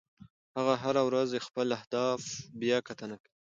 هغه هره ورځ خپل اهداف بیاکتنه کوي.